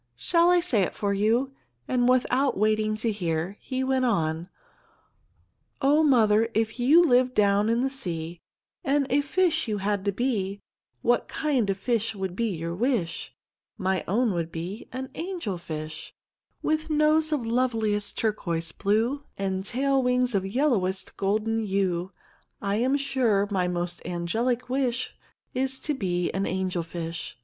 "Shall I say it for you?" and without waiting to hear, he went on: "Oh, mother, if you lived down in the sea And a fish you had to be, What kind of fish would be your wish? My own would be an angel fish. "With nose of loveliest turquoise blue, And tail wings of yellowest golden hue I'm sure my most angelic wish Is to be an angel fish.